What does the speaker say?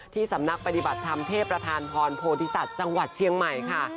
สำนักปฏิบัติธรรมเทพประธานพรโพธิสัตว์จังหวัดเชียงใหม่ค่ะ